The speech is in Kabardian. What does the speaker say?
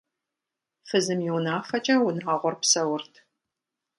Фызым и унафэкӏэ унагъуэр псэурт.